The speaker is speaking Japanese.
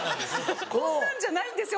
こんなんじゃないんですよ。